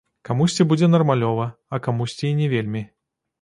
Камусьці будзе нармалёва, а камусьці і не вельмі.